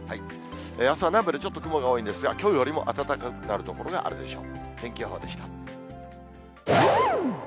あすは南部でちょっと雲が多いんですが、きょうよりも暖かくなる所があるでしょう。